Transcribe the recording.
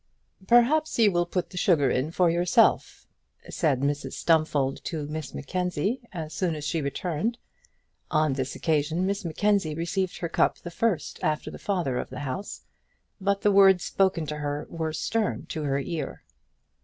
"Perhaps you will put in the sugar for yourself," said Mrs Stumfold to Miss Mackenzie as soon as she returned. On this occasion Miss Mackenzie received her cup the first after the father of the house, but the words spoken to her were stern to the ear.